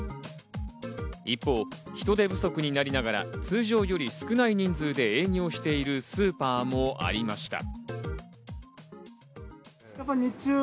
一方、人手不足になりながら、通常より少ない人数で営業しているスーパーもありました。